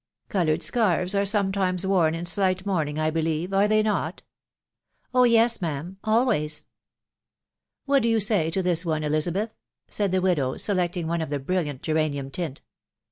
Coloured scarves are sometimes worn in, slight mourning, I believe, are they not ?"—" Oh yes ! ma'am, always." " What do you say to this one, Elizabeth ?" said the widow, selecting one of a brilliant geranium tint.